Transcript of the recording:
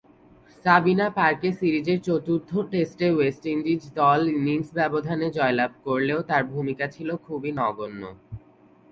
সাবিনা পার্কে সিরিজের চতুর্থ টেস্টে ওয়েস্ট ইন্ডিজ দল ইনিংস ব্যবধানে জয়লাভ করলেও তার ভূমিকা ছিল খুবই নগণ্য।